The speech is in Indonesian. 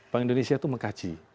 bank indonesia itu mengkaji